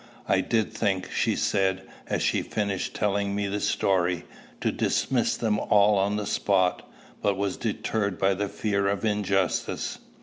"I did think," she said, as she finished telling me the story, "to dismiss them all on the spot, but was deterred by the fear of injustice.